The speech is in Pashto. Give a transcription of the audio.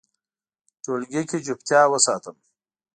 ټولګي کې چوپتیا وساتم.